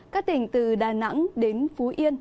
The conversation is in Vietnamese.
các tỉnh từ đà nẵng đến phú yên